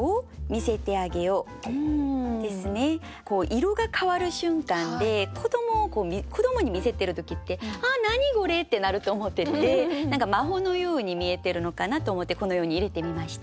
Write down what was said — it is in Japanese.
色が変わる瞬間で子どもに見せてる時って「あっ何これ！」ってなると思ってて何か魔法のように見えてるのかなと思ってこのように入れてみました。